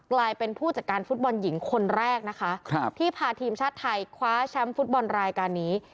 กลายเป็นผู้จัดการฟุตบอลหญิงคนแรกนะคะที่พาทีมชาติไทยคว้าแชมป์ฟุตบอลรายการนี้